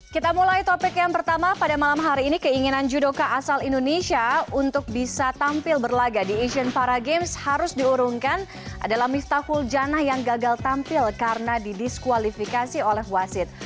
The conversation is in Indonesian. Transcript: kita mulai topik yang pertama pada malam hari ini keinginan judoka asal indonesia untuk bisa tampil berlaga di asian para games harus diurungkan adalah miftahul janah yang gagal tampil karena didiskualifikasi oleh wasit